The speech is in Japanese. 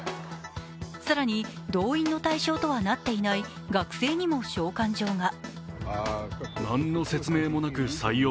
更に動員の対象とはなっていない学生にも召喚状が。